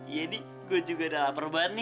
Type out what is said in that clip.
iya nih gue juga udah lapar banget nih